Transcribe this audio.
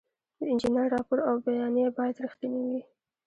د انجینر راپور او بیانیه باید رښتینې وي.